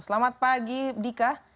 selamat pagi dika